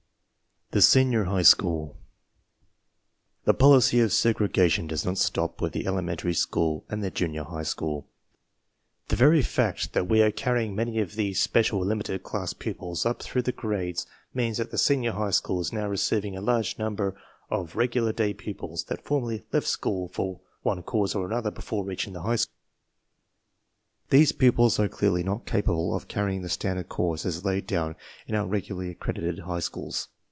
THE SENIOR HIGH SCHOOL The policy of segregation . does not stop with the elementary school and the junior high school. TEe^very Tact that we are carrying many of these special limited class pupils up through the grades means that the senior high school is now receiving a large number of regular day pupils that formerly left school for one cause or another before reaching the high school. These pupils are clearly not capable of carrying the standard course as laid down in our regularly accredited high schools.